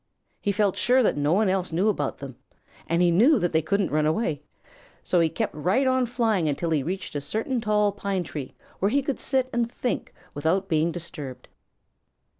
He felt sure that no one else knew about them, and he knew that they couldn't run away. So he kept right on flying until he reached a certain tall pine tree where he could sit and think without being disturbed.